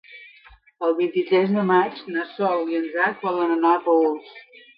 El vint-i-tres de maig na Sol i en Drac volen anar a Paüls.